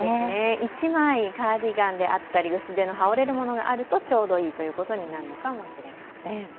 一枚カーディガンであったり、薄手の羽織れるものがあるとちょうどいいということになるのかもしれません。